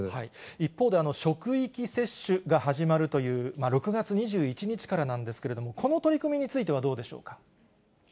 一方で、職域接種が始まるという、６月２１日からなんですけれども、この取り組みについてはどうでしょうか。